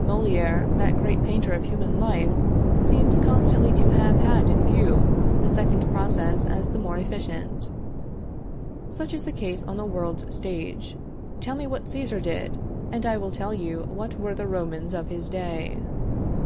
Moliere, that great painter of human life, seems constantly to have had in view the second process as the more efficient. Such is the case on the world's stage. Tell me what Cæsar did, and I will tell you what were the Romans of his day.